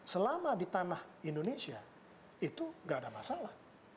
selama di tanah indonesia itu tidak ada masalah